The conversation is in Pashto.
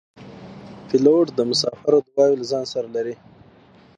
پیلوټ د مسافرو دعاوې له ځان سره لري.